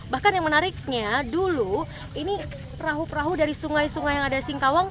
bahkan yang menariknya dulu ini perahu perahu dari sungai sungai yang ada singkawang